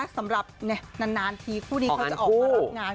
สำหรับนานทีคู่นี้เขาจะออกมารับงาน